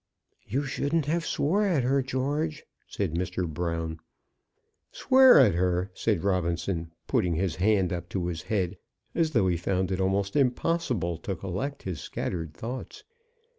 "You shouldn't have swore at her, George," said Mr. Brown. "Swear at her!" said Robinson, putting his hand up to his head, as though he found it almost impossible to collect his scattered thoughts.